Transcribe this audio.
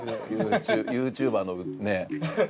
ユーチューバーのね偏見から。